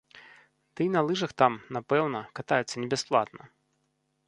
Ды і на лыжах там, напэўна, катаюцца не бясплатна!